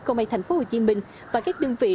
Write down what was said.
công an tp hcm và các đơn vị